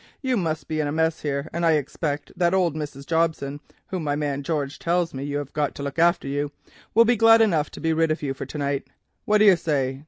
You must be in a mess here, and I expect that old Mrs. Jobson, whom my man George tells me you have got to look after you, will be glad enough to be rid of you for to night. What do you say?